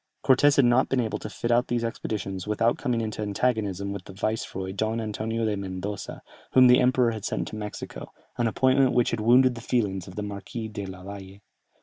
Cortès had not been able to fit out these expeditions without coming into antagonism with the viceroy Don Antonio de Mendoza, whom the emperor had sent to Mexico, an appointment which had wounded the feelings of the Marquis della Valle.